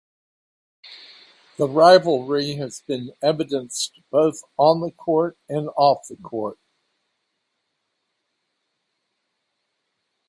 The rivalry has been evidenced both on the court and off the court.